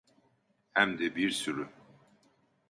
Hem de bir sürü.